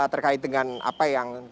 terkait dengan apa yang